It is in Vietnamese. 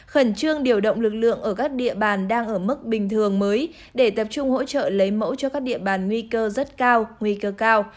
khẩn trương điều động lực lượng ở các địa bàn đang ở mức bình thường mới để tập trung hỗ trợ lấy mẫu cho các địa bàn nguy cơ rất cao nguy cơ cao